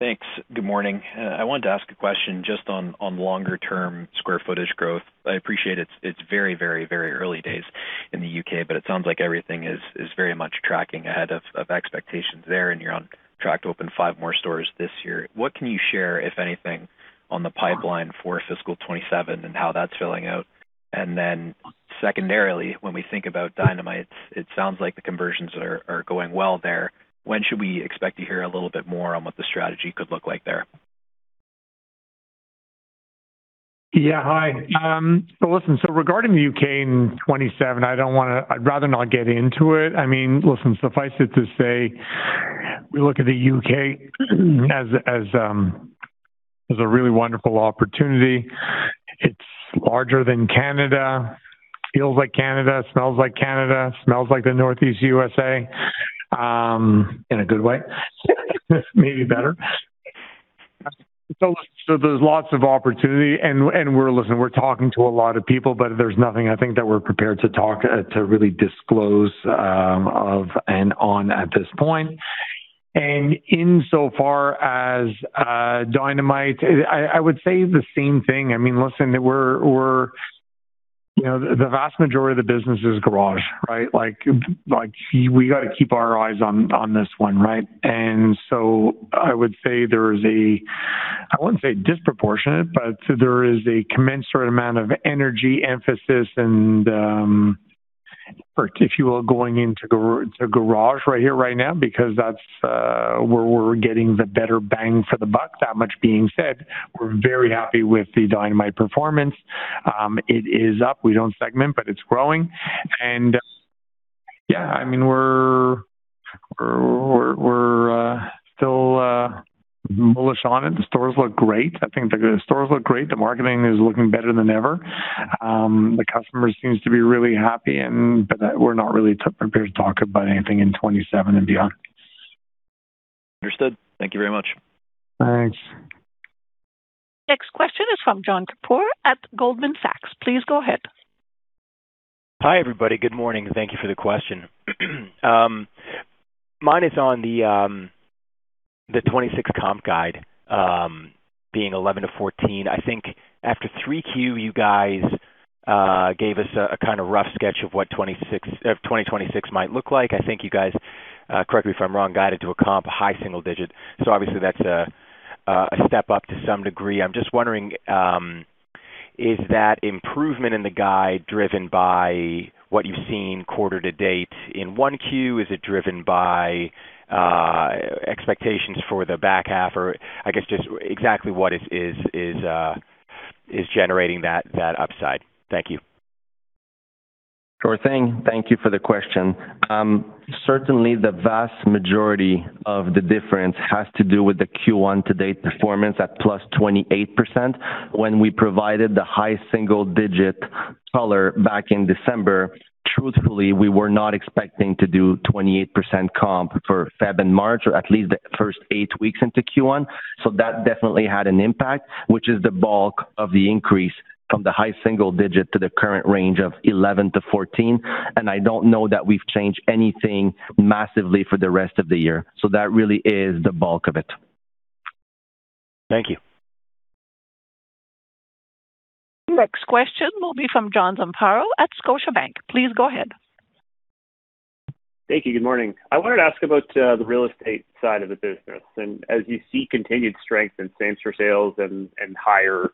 Thanks. Good morning. I wanted to ask a question just on longer term square footage growth. I appreciate it's very early days in the U.K., but it sounds like everything is very much tracking ahead of expectations there, and you're on track to open 5 more stores this year. What can you share, if anything, on the pipeline for fiscal 2027 and how that's filling out? And then secondarily, when we think about Dynamite, it sounds like the conversions are going well there. When should we expect to hear a little bit more on what the strategy could look like there? Yeah. Hi. Listen. Regarding the U.K. in 2027, I'd rather not get into it. I mean, listen, suffice it to say, we look at the U.K. as a really wonderful opportunity. It's larger than Canada. Feels like Canada, smells like Canada, smells like the Northeast U.S., in a good way. Maybe better. There's lots of opportunity and we're talking to a lot of people, but there's nothing I think that we're prepared to talk to really disclose on and off at this point. Insofar as Dynamite, I would say the same thing. I mean, listen, we're, you know, the vast majority of the business is Garage, right? Like, we gotta keep our eyes on this one, right? I would say there is a, I wouldn't say disproportionate, but there is a commensurate amount of energy, emphasis and, if you will, going into Garage right here, right now because that's where we're getting the better bang for the buck. That much being said, we're very happy with the Dynamite performance. It is up. We don't segment, but it's growing. Yeah, I mean, we're still bullish on it. The stores look great. I think the stores look great. The marketing is looking better than ever. The customer seems to be really happy, but we're not really prepared to talk about anything in 2027 and beyond. Understood. Thank you very much. Thanks. Next question is from Jon Kapur at Goldman Sachs. Please go ahead. Hi, everybody. Good morning. Thank you for the question. Mine is on the 2026 comp guide being 11%-14%. I think after 3Q, you guys gave us a kind of rough sketch of what 2026 might look like. I think you guys, correct me if I'm wrong, guided to a comp high single-digit %. Obviously that's a step up to some degree. I'm just wondering, is that improvement in the guide driven by what you've seen quarter to date in 1Q? Is it driven by expectations for the back half? Or I guess just exactly what is generating that upside. Thank you. Sure thing. Thank you for the question. Certainly the vast majority of the difference has to do with the Q1 to date performance at +28%. When we provided the high single digit color back in December, Truthfully, we were not expecting to do 28% comp for February and March, or at least the first 8 weeks into Q1. That definitely had an impact, which is the bulk of the increase from the high single digit to the current range of 11%-14%. I don't know that we've changed anything massively for the rest of the year. That really is the bulk of it. Thank you. Next question will be from John Zamparo at Scotiabank. Please go ahead. Thank you. Good morning. I wanted to ask about the real estate side of the business. As you see continued strength in same-store sales and higher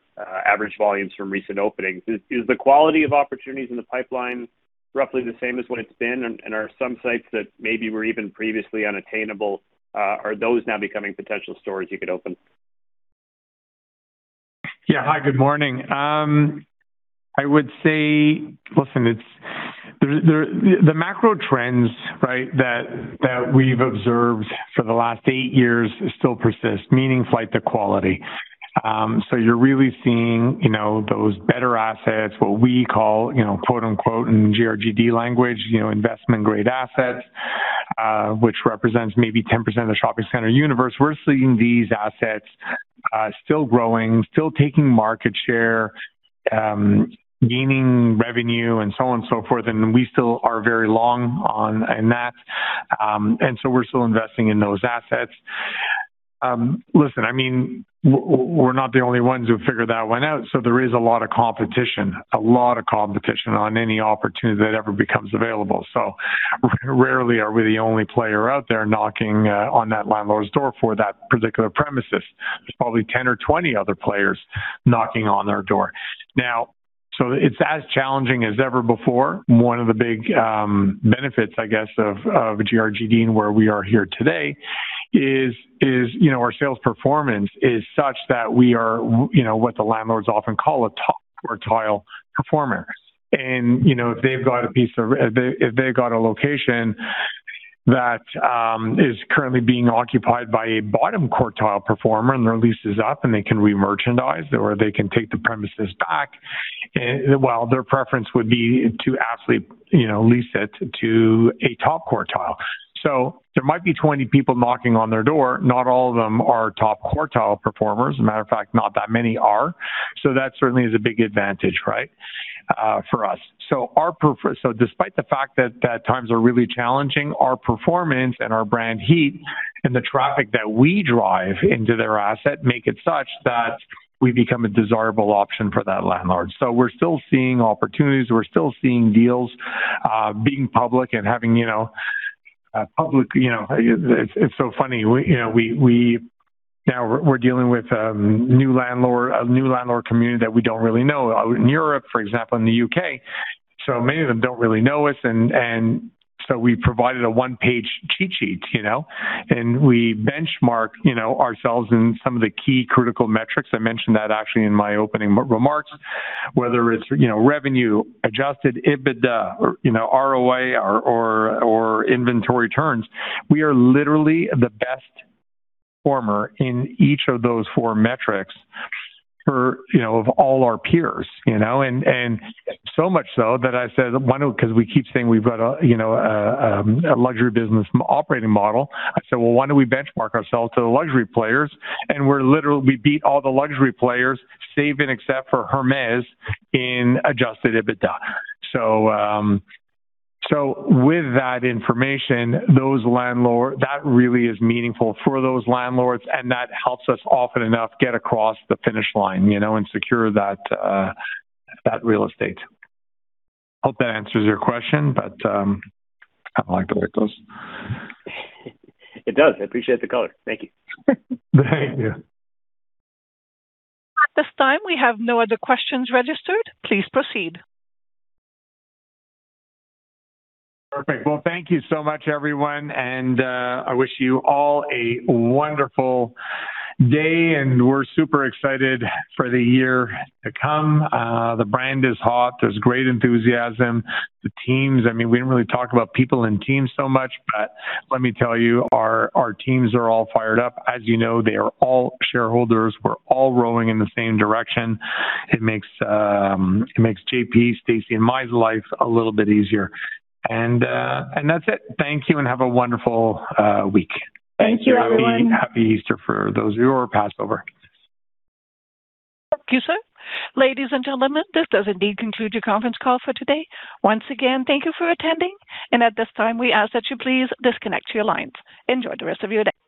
average volumes from recent openings, is the quality of opportunities in the pipeline roughly the same as what it's been? Are some sites that maybe were even previously unattainable now becoming potential stores you could open? Yeah. Hi, good morning. I would say, listen, it's the macro trends, right, that we've observed for the last eight years still persist, meaning flight to quality. You're really seeing, you know, those better assets, what we call, you know, quote, unquote, in GRGD language, you know, investment-grade assets, which represents maybe 10% of the shopping center universe. We're seeing these assets still growing, still taking market share, gaining revenue and so on and so forth. We still are very long on that, and so we're still investing in those assets. Listen, I mean, we're not the only ones who figured that one out, so there is a lot of competition on any opportunity that ever becomes available. Rarely are we the only player out there knocking on that landlord's door for that particular premises. There's probably 10 or 20 other players knocking on their door. Now, it's as challenging as ever before. One of the big benefits, I guess, of GRGD and where we are here today is, you know, our sales performance is such that we are, you know, what the landlords often call a top quartile performer. And, you know, if they've got a location that is currently being occupied by a bottom quartile performer and their lease is up and they can re-merchandise or they can take the premises back, well, their preference would be to actually, you know, lease it to a top quartile. There might be 20 people knocking on their door, not all of them are top quartile performers. Matter of fact, not that many are. That certainly is a big advantage, right, for us. Despite the fact that times are really challenging, our performance and our brand heat and the traffic that we drive into their asset make it such that we become a desirable option for that landlord. We're still seeing opportunities, we're still seeing deals, being public and having, you know, public, you know. It's so funny, you know, we now we're dealing with a new landlord community that we don't really know. In Europe, for example, in the U.K., so many of them don't really know us and so we provided a one-page cheat sheet, you know. We benchmark, you know, ourselves in some of the key critical metrics. I mentioned that actually in my opening remarks. Whether it's, you know, revenue, adjusted EBITDA or, you know, ROA or inventory turns, we are literally the best performer in each of those four metrics for, you know, of all our peers, you know. So much so that I said, "Why don't..." 'Cause we keep saying we've got a, you know, a luxury business operating model. I said, "Well, why don't we benchmark ourselves to the luxury players?" We're literally, we beat all the luxury players, save and except for Hermès in adjusted EBITDA. So with that information, that really is meaningful for those landlords, and that helps us often enough get across the finish line, you know, and secure that real estate. Hope that answers your question, but I kinda like the way it goes. It does. I appreciate the color. Thank you. Thank you. At this time, we have no other questions registered. Please proceed. Perfect. Well, thank you so much everyone, and I wish you all a wonderful day, and we're super excited for the year to come. The brand is hot. There's great enthusiasm. The teams, I mean, we didn't really talk about people and teams so much, but let me tell you, our teams are all fired up. As you know, they are all shareholders. We're all rowing in the same direction. It makes JP, Stacie, and my life a little bit easier. That's it. Thank you and have a wonderful week. Thank you, everyone. Happy, happy Easter for those of you, or Passover. Thank you, sir. Ladies and gentlemen, this does indeed conclude your conference call for today. Once again, thank you for attending, and at this time, we ask that you please disconnect your lines. Enjoy the rest of your day.